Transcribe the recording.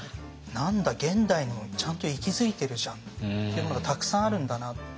「何だ現代にもちゃんと息づいてるじゃん」ってものがたくさんあるんだなと。